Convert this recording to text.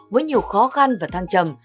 với nhiều khó khăn và thăng trầm